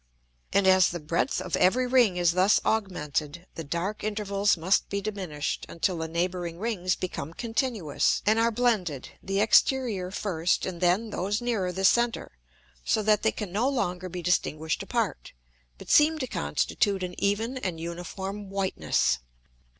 And as the breadth of every Ring is thus augmented, the dark Intervals must be diminish'd, until the neighbouring Rings become continuous, and are blended, the exterior first, and then those nearer the center; so that they can no longer be distinguish'd apart, but seem to constitute an even and uniform whiteness.